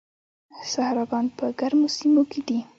صحراګان په ګرمو سیمو کې دي.